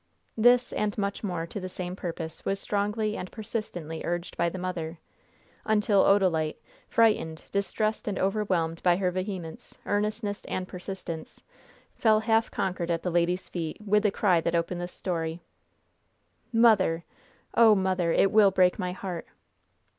This, and much more to the same purpose, was strongly and persistently urged by the mother, until Odalite, frightened, distressed and overwhelmed by her vehemence, earnestness and persistence, fell half conquered at the lady's feet, with the cry that opened this story: "Mother! oh, mother! it will break my heart!"